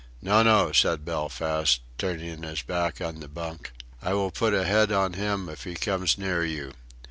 "No, no," said Belfast, turning his back on the bunk, "I will put a head on him if he comes near you."